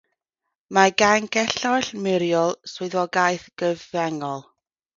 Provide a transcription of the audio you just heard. Mae gan gelloedd murol swyddogaeth gyfangol.